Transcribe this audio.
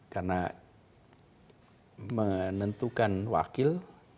karena menentukan wakil